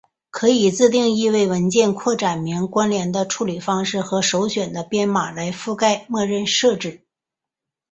可以自定义文件扩展名关联的处理方式和首选的编码来覆盖默认设置。